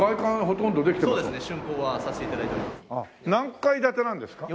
何階建てなんですか？